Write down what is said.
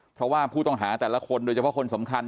เพราะว่าผู้ต้องหาแต่ละคนโดยเฉพาะคนสำคัญ